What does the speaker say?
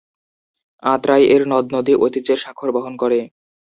আত্রাই এর নদ- নদী ঐতিহ্যের স্বাক্ষর বহন করে।